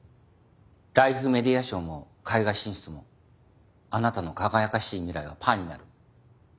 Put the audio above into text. ライフメディア賞も海外進出もあなたの輝かしい未来はパーになる。